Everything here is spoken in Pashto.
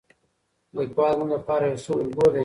لیکوال زموږ لپاره یو ښه الګو دی.